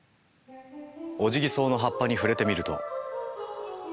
オジギソウの葉っぱに触れてみると。